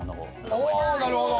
おおなるほど！